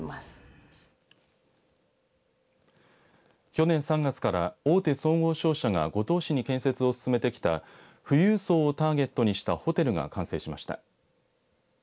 去年３月から大手総合商社が五島市に建設を進めてきた富裕層をターゲットにしたホテルが完成しました。